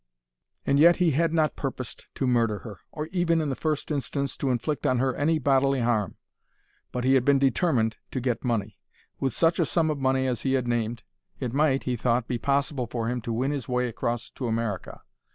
And yet he had not purposed to murder her, or even, in the first instance, to inflict on her any bodily harm. But he had been determined to get money. With such a sum of money as he had named, it might, he thought, be possible for him to win his way across to America.